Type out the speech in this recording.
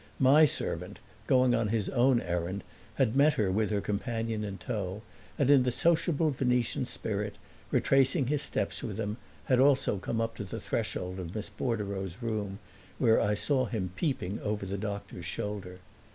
My servant, going on his own errand, had met her with her companion in tow, and in the sociable Venetian spirit, retracing his steps with them, had also come up to the threshold of Miss Bordereau's room, where I saw him peeping over the doctor's shoulder.